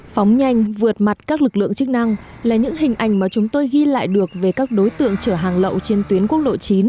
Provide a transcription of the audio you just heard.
phóng nhanh vượt mặt các lực lượng chức năng là những hình ảnh mà chúng tôi ghi lại được về các đối tượng chở hàng lậu trên tuyến quốc độ chín